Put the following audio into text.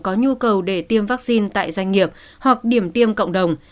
có nhu cầu để tiêm vaccine tại doanh nghiệp hoặc điểm tiêm cộng đồng